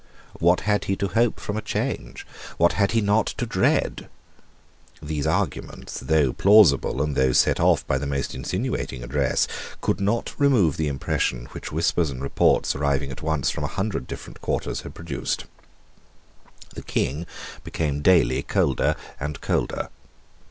What had he to hope from a change? What had he not to dread? These arguments, though plausible, and though set off by the most insinuating address, could not remove the impression which whispers and reports arriving at once from a hundred different quarters had produced. The King became daily colder and colder.